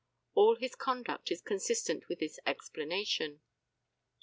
All his conduct is consistent with this explanation.